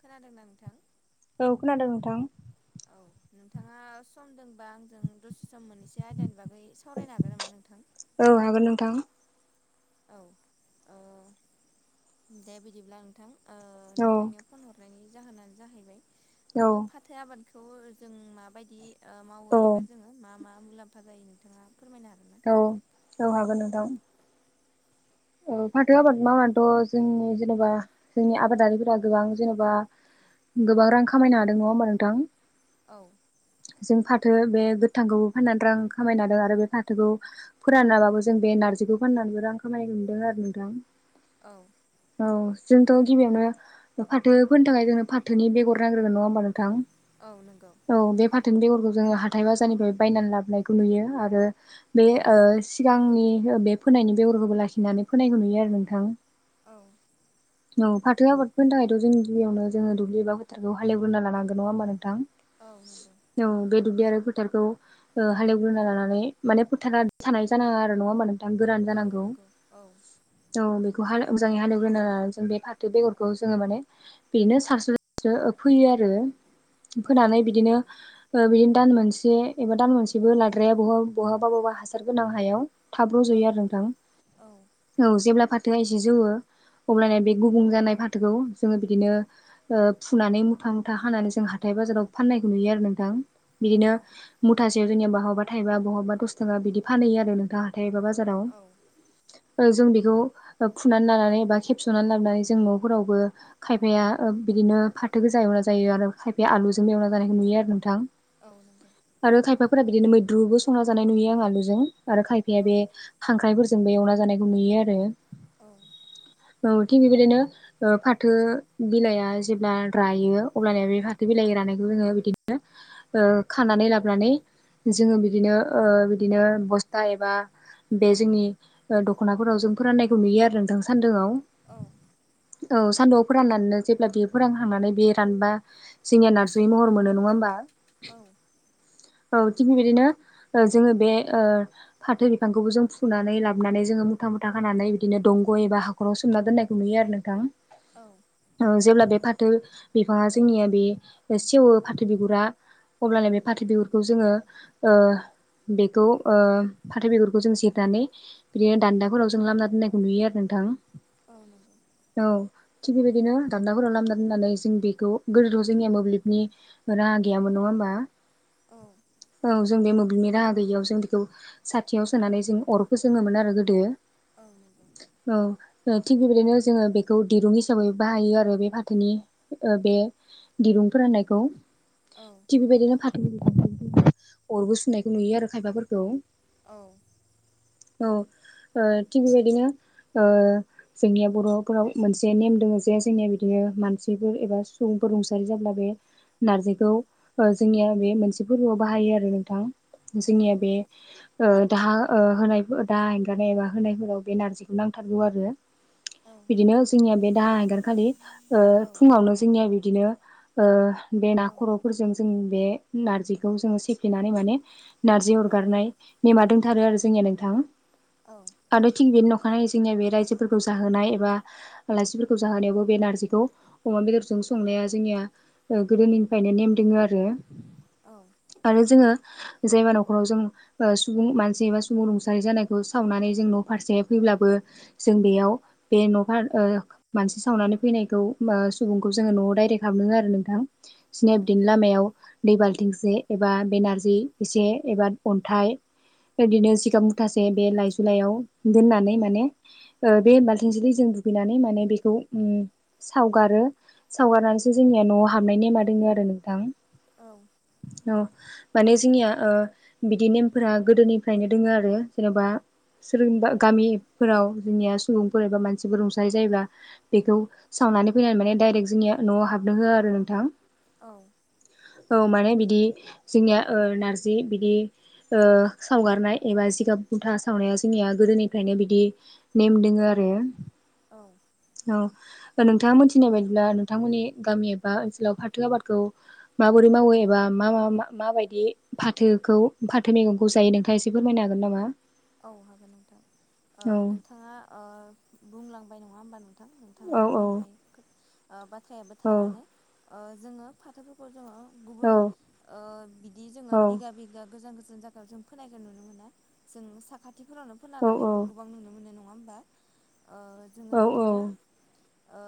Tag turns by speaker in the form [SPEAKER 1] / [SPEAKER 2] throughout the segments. [SPEAKER 1] खोनादों ना नोंथां।
[SPEAKER 2] औ खोनादों नोंथां।
[SPEAKER 1] औ नोंथाङा सम दंबा आंजों दसे सम मोननैसे आयदानि बागै सावरायनो हागोन नामा नोंथां?
[SPEAKER 2] औ हागोन नोंथां।
[SPEAKER 1] औ ओ दे बिदिब्ला नोंथां ओ
[SPEAKER 2] औ
[SPEAKER 1] नोंथांनियाव फन हरनायनि जाहोनानो जाहैबाय
[SPEAKER 2] औ
[SPEAKER 1] ओ फाथो आबादखौ जों माबायदि ओ मावो
[SPEAKER 2] औ
[SPEAKER 1] एबा जोङो मा मा मुलाम्फा जायो नोंथाङा फोरमायनो हागोन ना?
[SPEAKER 2] औ औ हागोन नोंथां। ओ फाथो आबाद मावनानैथ' जोंनि जेनेबा जोंनि आबादारिफोरा गोबां जेन'बा गोबां रां खामायनो हादों नङा होमबा नोंथां?
[SPEAKER 1] औ।
[SPEAKER 2] जों फाथो बे गोथांखौबो फाननानै रां खामायनादों आरो बे फाथोखौ फोरानाबाबो जों बे नारजिखौ फाननानैबो रां खामायनो मोनदों आरो नोंथां।
[SPEAKER 1] औ।
[SPEAKER 2] औ जोंथ' गिबियावनो फाथो फोनो थाखाय जोंनो फाथोनि बेगर नांग्रोगोन नङा होमबा नोंथां?
[SPEAKER 1] औ नोंगौ।
[SPEAKER 2] औ बे फाथोनि बेगरखौ जोङो हाथाय बाजारनिफ्राय बायनानै लाबोनायखौ नुयो आरो बे
[SPEAKER 1] औ
[SPEAKER 2] ओ सिगांनि बे फोनायनि बेगरखौबो लाखिनानै फोनायखौ नुयो आरो नोंथां।
[SPEAKER 1] औ।
[SPEAKER 2] औ फाथो आबाद फोनो थाखायथ' जों गिबियावनो जोङो दुब्लिबाबो खौ हालेवग्रोना लानांगोन नङा होमबा नोंथां?
[SPEAKER 1] औ नंगौ।
[SPEAKER 2] औ बे दुब्लि आरो फोथारखौ ओ हालेवग्रोना लानानै माने फोथारा थानाय जानाङा आरो नङा होमबा नों
[SPEAKER 1] औ नंगौ औ।
[SPEAKER 2] औ बेखौहा मोजाङै हालेवग्रोना लाना जों बे फाथो बेगरखौ जोङो माने बिनो सारस्र'सो फोयो आरो
[SPEAKER 1] औ
[SPEAKER 2] फोनानै बिदिनो ओ बिदिनो दान मोनसे एबा दान मोनसेबो लाद्राया बहाबा बहाबा बबा हासार गोनां हायाव। थाब रज'यो
[SPEAKER 1] औ
[SPEAKER 2] आरो नोंथां।
[SPEAKER 1] औ।
[SPEAKER 2] औ जेब्ला फाथोआ एसे जौवो अब्लानो बे गुबुं जानाय फाथोखौ जोङो बिदिनो ओ फुनानै मुथा मुथा हानानै जों हाथाय बाजाराव फाननायखौ नुयो आरो नोंथां।
[SPEAKER 1] औ
[SPEAKER 2] बिदिनो
[SPEAKER 1] नंगौ
[SPEAKER 2] मुथासेयाव जोंनि बहाबा थायोबा बहाबा दस थाखा बिदि फानैयो आरो नोंथां हाथाय बा बाजाराव
[SPEAKER 1] औ।
[SPEAKER 2] जों बेखौ फुनानै लानानै बा खेबस'नानै लाबोनानै जों न'फोरावबो खायफाया बिदिनो फाथो गोजा एवना जायो आरो खायफाया आलुजोंबो एवना जानायखौ नुयो आरो नोंथां।
[SPEAKER 1] औ नोंगौ।
[SPEAKER 2] आरो खायफाफोरा बिदिनो मैद्रुबो संना जानाय नुयो आं आलुजों आरो खायफाया
[SPEAKER 1] औ
[SPEAKER 2] बे खांख्राइफोरजोंबो एवना जानायखौ नुयो आरो।
[SPEAKER 1] औ।
[SPEAKER 2] ओ थिग बेबायदिनो ओ फाथो बिलाइया जेब्ला रायो अब्लानिया बे फाथो बिलाइ रानायखौ जोङो बिदिनो ओ खानानै लाबोनानै जोङो बिदिनो ओ बिदिनो बस्था एबा बे जोंनि ओ दख'नाफोराव जों फोराननायखौ नुयो आरो नोंथां सान्दोआव।
[SPEAKER 1] औ।
[SPEAKER 2] औ सान्दुआव फोराननानैनो जेब्ला बेयो फोरानखांनानै बे रानबा जोंनिया नारसि महर मोनो नङा होमबा।
[SPEAKER 1] औ
[SPEAKER 2] औ थिग बेबायदिनो ओ जोङो बे ओ फाथो बिफांखौबो जों फुनानै लाबोननानै जोङो मुथा मुथा खानानै बिदिनो दंग' एबा हाखराव सोमना दोननायखौ नुयो आरो नोंथां।
[SPEAKER 1] औ।
[SPEAKER 2] जेब्ला बे फाथो बिफाङा जोंनिया बे सेवो फाथो बिगुरा अब्लानो बे फाथो बिगुरखौ जोङो ओ बेखौ ओ फाथो बेगरखौ जों जिरनानै बिदिनो दान्दा खरावजों लामना दोननायखौ नुयो आरो नोंथां।
[SPEAKER 1] औ नोंगौ।
[SPEAKER 2] औ थिग बेबायदिनो दानदाफोराव लामदा दोननानै जों बेखौ गोदोथ' जोंनिया मोब्लिबनि राहा गैयामोन नङा होमबा।
[SPEAKER 1] औ।
[SPEAKER 2] औ जों बे मोब्लिबनि राहा गैयियाव जों बेखौ साथियाव सोनानै जों अर फोजोङोमोन आरो गोदो।
[SPEAKER 1] औ नोंगौ।
[SPEAKER 2] औ ओ थिग बेबायदिनो जोङो बेखौ दिरुं हिसाबै बाहायो आरो बे फाथोनि ओ बे दिरुं फोराननायखौ
[SPEAKER 1] औ।
[SPEAKER 2] थिग बेबायदिनो फाथो [unintelligible] अरबो सुनायखौ नुयो आरो खायफाफोरखौ।
[SPEAKER 1] औ
[SPEAKER 2] औ। ओ थि बेबायदिनो ओ जोंनिया बर'फोराव मोनसे नेम दोङो जे जोंनिया बिदिनो मानसिफोर एबा सुबुंफोर रुंसारि जाब्ला बे नार्जिखौ ओ जोंनिया बे मोनसे फोर्बोआव बाहायो आरो नोंथां।
[SPEAKER 1] औ
[SPEAKER 2] जोंनिया बे ओ दाहा होनाय दा [unintelligible] गानाय एबा होनायफोराव बे नार्जिखौ नांथारगौ आरो।
[SPEAKER 1] औ
[SPEAKER 2] बिदिनो जोंनिया बे दाहा आइगारखालि ओ
[SPEAKER 1] औ
[SPEAKER 2] फुङावनो जोंनिया बिदिनो ओ बे
[SPEAKER 1] औ
[SPEAKER 2] नाखर'फोरजों जों बे नार्जिखौ जोङो सेफेनानै माने नार्जि अरगारनाय नेमा दंथारो आरो जोंनिया नोंथां।
[SPEAKER 1] औ।
[SPEAKER 2] आरोथिं बेनि न'खानाय जोंनिया बे रायजोफोरखौ जाहोनाय एबा आलासिफोरखौ जाहोनायावबो बे नार्जिखौ अमा बेदरजों संनाया जोंनिया ओ गोदोनिफ्रायनो नेम दोङो आरो।
[SPEAKER 1] औ।
[SPEAKER 2] आरो जोङो जेबा नखराव जों सुबुं मानसि एबा सुबुं रुंसारि जानायखौ सावनानै जों न' फारसे फैब्लाबो जों बेयाव बे न'फोर ओ मानसि सावनानै फैनायखौ ओ सुबुंखौ जोङो न'आव डाइरेक्ट हाबनो आरो नोंथां। स्नेपदिन लामायाव दै बालथिंसे एबा बे नार्जि एसे एबा अन्थाइ बिदिनो सिगां मुथासे बे लाइजुलाइयाव दोननानै माने ओ बे बालथिं जों दुगैनानै माने बेखौ उम सावगारो सावगारनानैसो जोंनिया न'आव हाबनाय नेमा दोङो आरो नोंथां।
[SPEAKER 1] औ।
[SPEAKER 2] औ। माने जोंनिया बिदि नेमफोरा गोदोनिफ्रायनो दोङो आरो जेनेबा सोरोबा गामिफोराव जोंनिया सुबुंफोर एबा मानसिफोर रुंसारि जायोबा बेखौ सावनानै फैना माने दडाइरेक्ट जोंनिया न'आव हाबनो होआ आरो नोंथां।
[SPEAKER 1] औ।
[SPEAKER 2] औ माने बिदि जोंनिया ओ नारजि बिदि ओ सावगारनाय एबा जिगाब बुन्था सावनाया जोंनिया गोदोनिफ्रायनो बिदि नेम दोङो आरो।
[SPEAKER 1] औ।
[SPEAKER 2] औ नोंथाङा मोनथिनाय बायदिब्ला नोंथांमोननि गामि एबा ओनसोलाव फाथो आबादखौ माबोरै मावो एबा मा मा माबायदि फाथोखौ फाथो मैगंखौ जायो नोंथा ङा एसे फोरमायनो हागोन नामा?
[SPEAKER 1] औ हागोन नोंथां। ओ
[SPEAKER 2] औ
[SPEAKER 1] नोंथाङा ओ बुंलांबाय नङा होमबा नोंथां? थाङा
[SPEAKER 2] औ औ
[SPEAKER 1] बुंलांनाय खो बाथ्रायाबो
[SPEAKER 2] औ
[SPEAKER 1] थारानो। ओ जोङो फाथोफोरखौ जोङो
[SPEAKER 2] औ
[SPEAKER 1] गुबुन ओ बिदि जोङो
[SPEAKER 2] औ
[SPEAKER 1] बिघा बिघा गोजान गोजान जा व जों फोनायखौ नुनो मोना। जों साखाथिफोरावनो फोना
[SPEAKER 2] औ
[SPEAKER 1] लानायखौ गोबां नुनो मोनो। नङा होमबा? ओ जोङो
[SPEAKER 2] औ
[SPEAKER 1] बिदिनो ओ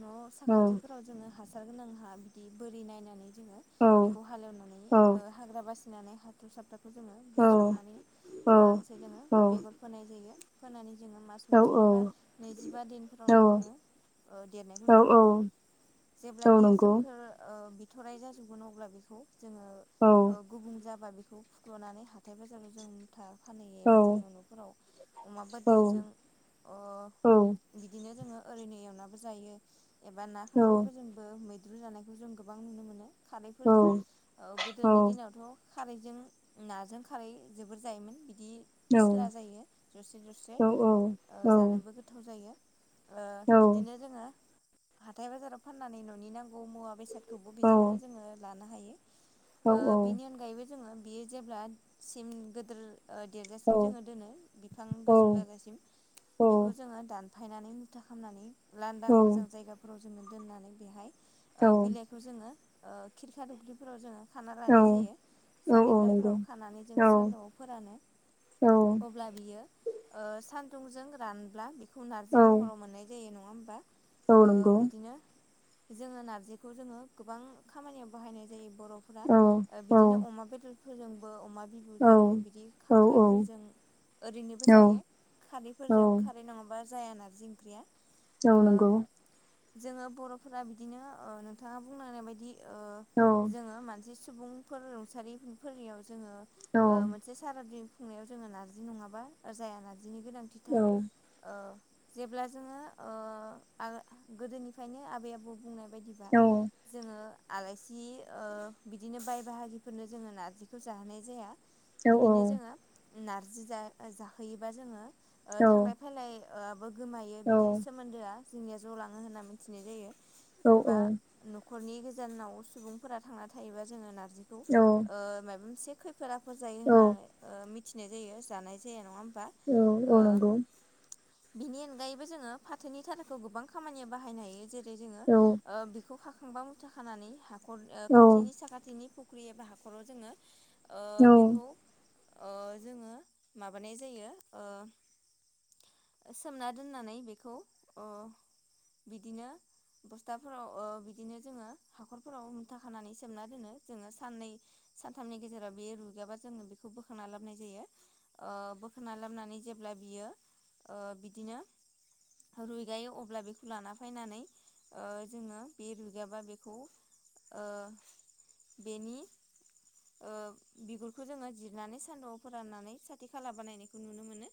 [SPEAKER 1] न' साखाथिफोराव जोङो हासार गोनां हा बिदि बोरि नायनानै जोङो बेखौ हालौनानै ओ हाग्रा बासिनानै हाथु साफ्राखौ जोङो बुस्रांनानै
[SPEAKER 2] औ
[SPEAKER 1] आरामसे जोङो बेगर फोनाय जायो। फोनानै जोङो मास
[SPEAKER 2] औ
[SPEAKER 1] मोनसे एबा नैजिबा
[SPEAKER 2] औ
[SPEAKER 1] दिनफोरावनो जोङो ओ देरनायखौ
[SPEAKER 2] औ
[SPEAKER 1] नुनो मोनो। जेब्ला
[SPEAKER 2] औ
[SPEAKER 1] बियो
[SPEAKER 2] नंगौ
[SPEAKER 1] सोमखोर ओ बि थ'राइ जाजोबगोन अब्ला बेखौ जोङो
[SPEAKER 2] औ
[SPEAKER 1] ओ गुबुं जाबा बेखौ फुख्ल'नानै हाथाय बाजाराव जों मुथा फानहैयो
[SPEAKER 2] औ
[SPEAKER 1] एबा जोङो न'फोराव अमा
[SPEAKER 2] औ
[SPEAKER 1] बदिरजों अ
[SPEAKER 2] औ
[SPEAKER 1] बिदिनो जोङो ओरैनो एवनाबो जायो एबा ना खांख्राइफोरजोंबो मैद द्रु जानायखौ जों गोबां नुनो मोनो
[SPEAKER 2] औ
[SPEAKER 1] खारैफोरजों।
[SPEAKER 2] औ
[SPEAKER 1] गोदोनि ओ दिनावथ' खारैजों नाजों खारै जोबोर जायोमोन। बिदि
[SPEAKER 2] औ
[SPEAKER 1] फिस्ला जायो जरसे जरसे
[SPEAKER 2] औ
[SPEAKER 1] जानोबो गोथाव जायो। ओ बिदिनो जोङो हाथाय बाजाराव फाननानै न'नि नांगौ मुवा बेसाद खौबो बेजोंनो जोङो लानो हायो। ओ बिनि अनगायैबो जोङो बियो जेब्ला सिम गोदोर ओ देरजासिम जोङो दोनो बिफां गोजौ जाजासिम। बेखौ जोङो दानफायनानै मुथा खामनानै लांदां मोजां जायगा फोराव जोङो दोननानै बेहाय
[SPEAKER 2] औ
[SPEAKER 1] ओ बिलाइखौ जोङो ओ खिरखा दुब्लि फोराव जोङो खाना
[SPEAKER 2] औ
[SPEAKER 1] लानाय
[SPEAKER 2] औ
[SPEAKER 1] जायो।
[SPEAKER 2] नंगौ
[SPEAKER 1] सान्देंगाफोराव खानानै जों सान्दुंआव फोरानो। अब्ला बियो ओ सान्दुंजों रानब्ला बि खौ नारजि महराव मोननाय जायो। नङा होमबा? ओ बिदिनो जोङो नारजिखौ जोङो गोबां खामानियाव बाहायनाय जायो बर'फोरा।
[SPEAKER 2] औ नंगौ औ
[SPEAKER 1] ओ
[SPEAKER 2] औ
[SPEAKER 1] बिदिनो अमा बेदर फोरजोंबो अमा
[SPEAKER 2] औ
[SPEAKER 1] बिबुजों बि दि
[SPEAKER 2] औ
[SPEAKER 1] खांख्राइफोरजों ओरैनोबो जायो। खारैफोरजों खारै रै नङाबा जाया नारजि ओंख्रिया।
[SPEAKER 2] औ
[SPEAKER 1] ओ
[SPEAKER 2] नंगौ औ औ औ
[SPEAKER 1] जोङो बर'फोरा बिदिनो ओ नोंथाङा बुंलांनाय बायदि ओ जोङो मानसि सुबुंफोर रुंसारिफोफोरनियाव जोङो ओ मो फोरबादि खुंनायाव जोङो नारजि नङाबा जाया नारजिनि गोनांथिथार। ओ जेब्ला जोङो ओ आ गोदोनिफ्रायनो आबै आबौ बुंनाय बायदि बा जोङो आलाइसि ओ बिदिनो बाय बाहागिफोरनो जोङो नारजिखौ जाहोनाय जाया। बिदिनो जोङो उम नारजि जा ओ जाहोयोबा जोङो ओ थांलाय फायलाय ओ आबो गोमायो बिदि सोमोन्दोआ जोंनिया ज' लाङो होनना मिनथिनाय जायो
[SPEAKER 2] औ
[SPEAKER 1] एबा न'खरनि गोजानाव सुबुंफोरा थांना थायोबा जोङो नारजिखौ
[SPEAKER 2] औ
[SPEAKER 1] ओ मायबा मोनसे खै फोद आफोर जायो
[SPEAKER 2] औ
[SPEAKER 1] होनना ओ मिथिनाय जायो जानाय जाया नङा होमबा
[SPEAKER 2] औ
[SPEAKER 1] ओ
[SPEAKER 2] औ नंगौ
[SPEAKER 1] बिनि अनगायैबो जोङो फाथोनि थाराखौ गोबां खामानियाव बाहायनो हायो। जेर [unintelligible] जोङो
[SPEAKER 2] औ
[SPEAKER 1] ओ बिखौ खाखांबा मुथा खानानै हाखर ओ
[SPEAKER 2] औ
[SPEAKER 1] खाथिनि साखाथिनि फु फुख्रि एबा हाखराव जोङो ओ बे
[SPEAKER 2] औ
[SPEAKER 1] खौ ओ जोङो माबानाय जायो ओ ओ सोमना दोननानै बेखौ अ बिदिनो बस्थाफोराव ओ बिदिनो जोङो हाखरफोराव मुथा खानानै सोमना दोनो जोङो साननै सानथामनि गेजेराव बेयो रुइगाबा जोङो बेखौ बोखांना लाबनाय जायो। ओ बोखांना लाबनानै जेब्ला बियो ओ बिदिनो रुइगायो अब्ला बेखौ लाना फायनानै ओ जोङो बे रुइगाबा बेखौ ओ बेनि ओ बिगुर खौ जोङो जिरनानै सान्दुङाव फोराननानै साथि खाला बानायनायखौ नुनो मोनो।